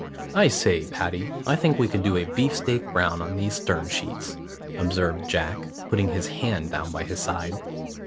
"I say, Paddy, I think we could do a beefsteak brown on these stern sheets," observed Jack, putting his hand down by his side.